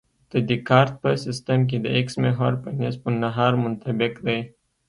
د دیکارت په سیستم کې د اکس محور په نصف النهار منطبق دی